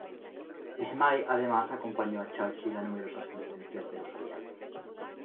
Ismay además acompañó a Churchill a numerosas conferencias de los Aliados.